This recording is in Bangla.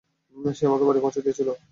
সে আমাকে বাড়ি পৌঁছে দিয়েছিল।